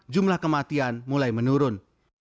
jumlah kematian mulai menurun